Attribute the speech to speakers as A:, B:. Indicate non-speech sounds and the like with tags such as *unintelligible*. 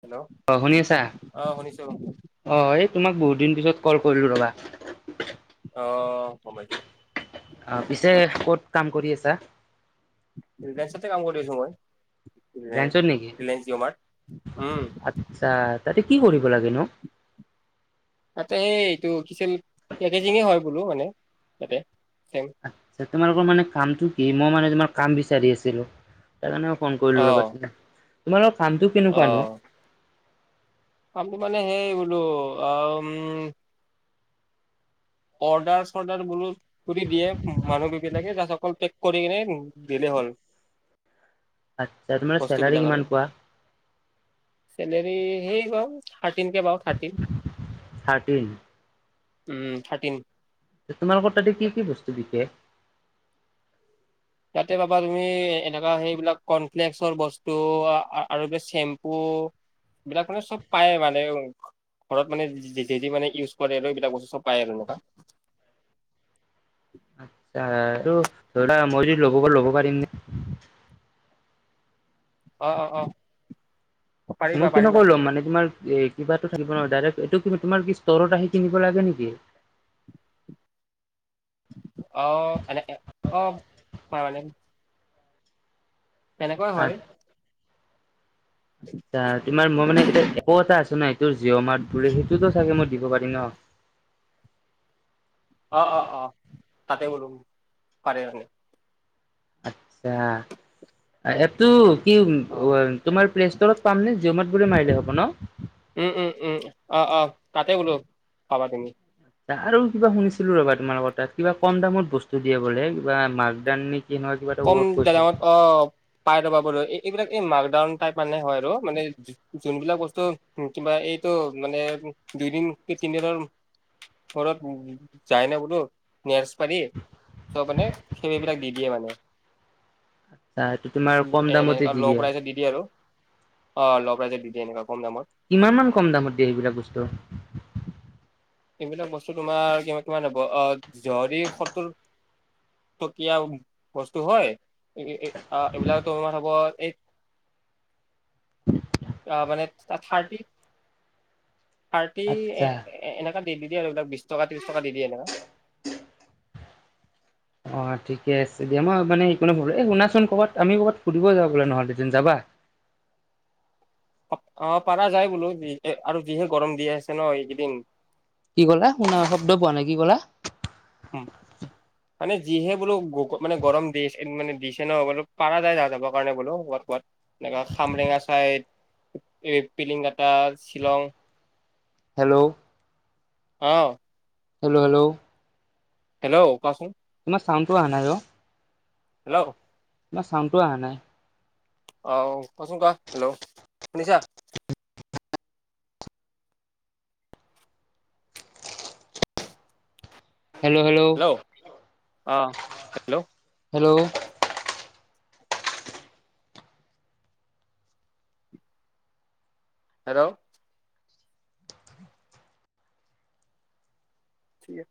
A: Hello
B: অ', শুনি আছা?
A: অ শুনিছো।
B: অ এই তোমাক বহুত দিন পিছত কল কৰিলো ৰ'বা।
A: অ গম পাইছোঁ।
B: অ পিছে ক'ত কাম কৰি আছা?
A: ৰিলায়েন্সতে কাম কৰি আছো মই
B: ৰিলায়েন্সত নেকি?
A: ৰিলায়েন্স *unintelligible*
B: আচ্ছা তাতে কি কৰিব লাগে নো?
A: তাতে সেই এইটো পিছে পেকেজিং এ হয় বোলো মানে তাতে
B: *unintelligible* তোমালোকৰ মানে কামটো কি মই মানে তোমাৰ কাম বিচাৰি আছিলো। তাৰ কাৰণে মই ফোন কৰিলো
A: অ
B: ৰ'বা তোমালোকৰ কামটো কেনেকুৱা নো।
A: আমি মানে সেই বলো অ উম! অৰ্ডাৰ চৰ্ডাৰ বোলো কৰি দিয়ে মানুহ বিলাকে *unintelligible* অকল পেক কৰি কিনে দিলে হ'ল।
B: আচ্ছা *unintelligible*
A: বস্তু
B: চেলাৰী কিমান পোৱা?
A: চেলেৰী সেই পাওঁ থাৰ্টিন কে পাওঁ থাৰ্টিন।
B: থাৰ্টিন?
A: উম থাৰ্টিন।
B: তোমালোকৰ তাতে কি কি বস্তু বিকে?
A: তাতে পাবা তুমি এনেকুৱা সেইবিলাক কৰ্ণফ্লেক্সৰ বস্তু আৰু *unintelligible* চেম্পু। এইবিলাক মানে চব পায় মানে ঘৰত মানে যি যি *unintelligible* ইউজ কৰে আৰু *unintelligible* বস্তু চব পায় আৰু এনেকুৱা।
B: *unintelligible* ধৰা মই যদি *unintelligible* পাৰিম নে?
A: অ অ অ। পাৰিবা
B: মই কেনেক
A: পাৰিবা
B: ল'ম মানে তোমাৰ এ কিবাটো থাকিব নহয়, ডাইৰেক্ট এইটো তোমাৰ কি ষ্টৰত আহি কিনিব লাগে নিকি?
A: অ এ *unintelligible* তেনেকুৱা হয়।
B: তাৰ তোমাৰ মই মানে এতিয়া এপো এটা আছো ন, জিঅ' মাৰ্ট বুলি, সেইটোতো চাগে মই দিব পাৰিম ন?
A: অ', অ', অ', তাতে বোলো, পাৰে মানে।
B: আচ্ছা, এপটো কি
A: অ'।
B: *inaudible* তোমাৰ প্লেষ্ট'ৰত পাম নে, জিঅ'মাৰ্ট বুলি মাৰিলে হ'ব ন।
A: উম, উম, উম! অ', অ', তাতে বোলো পাবা তুমি।
B: *inaudible* আৰু কিবা শুনিছিলো ৰ'বা তোমালোকৰ তাত, কিবা কমদামত বস্তু দিয়ে বোলে, কিবা মাকডান নেকি এনেকুৱা। কিবা এটা ৱৰ্ড কৈছিল
A: কমদামত অ', পাই যাবা বোলো, এই-এইবিলাক এই মাকডাউন টাইপ হয় আৰু মানে যোনবিলাক বস্তু, কিবা এইটো মানে দুইদিন তিনিদিনৰ ঘৰত যায় নে, বোলো। নে্চ পাৰি, চব মানে সেই বিলাক দি দিয়ে মানে।
B: হয়টো তোমাৰ কম দামতে
A: এনেকুৱা
B: দি
A: ল' প্ৰাইজত দি দিয়ে আৰু, অ', ল' প্ৰাইজত দি দিয়ে এনেকুৱা কম দামত।
B: কিমানমান কম দামত দিয়ে, এইবিলাক বস্তু?
A: এইবিলাক বস্তু তোমাৰ, কিমান মান হ'ব আ, জৰহি সত্তৰ টকীয়া বস্তু হয়, এএ আ, এইবিলাক তোমাৰ হ'ব এই আহ মানে, থা-থাৰ্টি থাৰ্টি
B: আচ্ছা
A: এ-এনেকা দি দি দিয়ে, এইবিলাক বিশ টকা ত্ৰিশ টকা দি দিয়ে এনেকা।
B: অ' ঠিকে আছে দিয়া, মই মানে এইকণত, এ শুনাচোন ক'ৰবাত আমি ক'ৰবাত ফুৰিব যাওঁ ব'লা নহ'লে, দেন যাবা।
A: অ', অ', পাৰা যায় বোলো, যিহে আৰু যিহে গৰম দি আছে ন, এইকেইদিন।
B: কি ক'লা, শুনা শব্দ পোৱা নাই, কি ক'লা।
A: উম। মানে যিহে বোলো গগ মানে, গৰম দিছে মানে দিছে ন, বোলো পৰা যায়, যাবৰ কাৰণে বোলো ক'বাত ক'বাত। এনেকা খামৰেঙা চাইদ, এই পিলিংগটা, শ্বিলং।
B: হেল্ল'!
A: অ', !
B: Hello, hello?
A: হেল্ল', কোৱাচোন।
B: তোমাৰ চাউণ্ডটো আহ নাই অ'।
A: হেল্ল'?
B: তোমাৰ চাউণ্ডডটোৱে অহা নাই।
A: অ', কোৱাচোন কোৱা, হেল্ল' শুনিছা।
B: Hello, hello.
A: অ', হেল্ল'।
B: হেল্ল'?
A: হেল্ল'? কি এ।